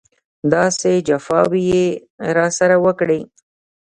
داسې جفاوې یې راسره وکړې.